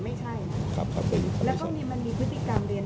แล้วก็มันมีพฤติกรรมเรียนแบบการแต่งกายคล้าย